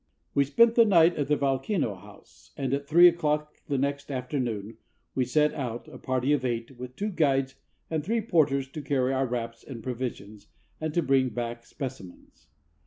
We spent the night at the Volcano House, and at three o'clock the next afternoon we set out, a party of eight, with two guides, and three porters to carry our wraps and provisions, and to bring back specimens.